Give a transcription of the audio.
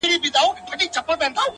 د حیا په حجاب پټي چا دي مخ لیدلی نه دی,